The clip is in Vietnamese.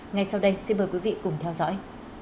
ngay sau đây xin mời quý vị cùng theo dõi